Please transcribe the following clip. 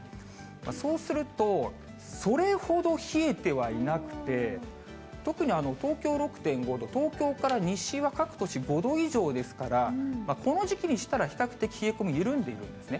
そうすると、それほど冷えてはいなくて、特に東京６．５度、東京から西は各都市５度以上ですから、この時期にしたら、比較的冷え込み緩んでますね。